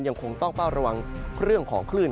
ยังคงต้องเฝ้าระวังเรื่องของคลื่น